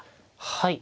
はい。